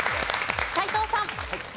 斎藤さん。